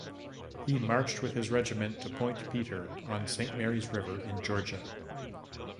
He marched with his regiment to Point Peter on Saint Mary's River in Georgia.